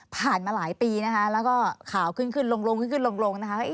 มาหลายปีนะคะแล้วก็ข่าวขึ้นขึ้นลงขึ้นขึ้นลงนะคะ